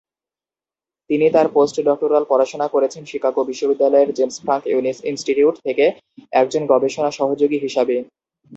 তিনি তার পোস্ট-ডক্টরাল পড়াশোনা করেছেন শিকাগো বিশ্ববিদ্যালয়ের জেমস ফ্রাঙ্ক ইনস্টিটিউট থেকে, একজন গবেষণা সহযোগী হিসাবে।